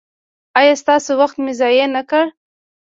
ایا ستاسو وخت مې ضایع نکړ؟